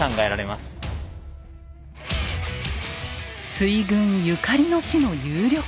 水軍ゆかりの地の有力者。